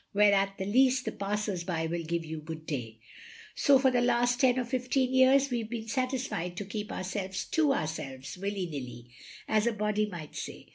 " Where at the least the passers by will give you good day. So for the last ten or fifteen years we Ve been satisfied to keep our selves to ourselves, willy nilly, as a body might say.